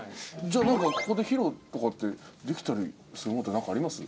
じゃあ何かここで披露とかってできたりするもの何かあります？